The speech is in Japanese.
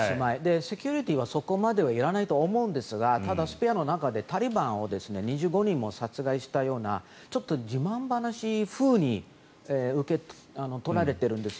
セキュリティーは、そこまではいらないと思うんですがただ、「スペア」の中でタリバンを２５人も殺害したようなちょっと自慢話風に取られているんです。